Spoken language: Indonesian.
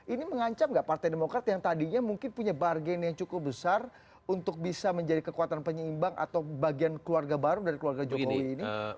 ini mengancam gak partai demokrat yang tadinya mungkin punya bargain yang cukup besar untuk bisa menjadi kekuatan penyeimbang atau bagian keluarga baru dari keluarga jokowi ini